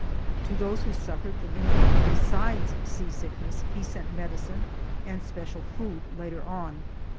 To those who suffered from anything besides seasickness he sent medicine and special food later on.